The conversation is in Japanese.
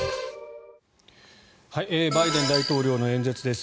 バイデン大統領の演説です。